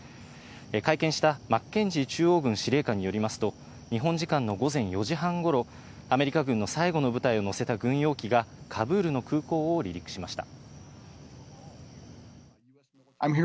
会見したマッケンジー中央軍司令官によりますと、日本時間の午前４時半頃、アメリカ軍の最後の舞台を乗せた軍用機がカブールの空港を離陸しました。